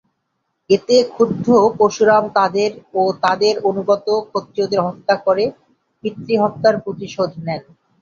এতে ক্ষুব্ধ পরশুরাম তাদের ও তাদের অনুগত ক্ষত্রিয়দের হত্যা করে পিতৃহত্যার প্রতিশোধ নেন।